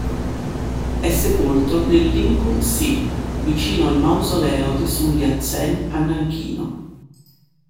È sepolto nel Linggu-si, vicino al Mausoleo di Sun Yat-sen a Nanchino.